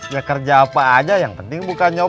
ya kerja apa aja yang penting bukan nyopet